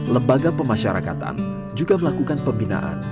lembaga pemasyarakatan juga melakukan pembinaan